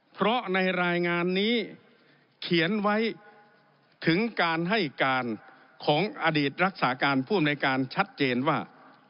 เพราะในรายงานนี้เขียนไว้ถึงการให้การของอดีตรักษาการผู้อำนวยการชัดเจนว่า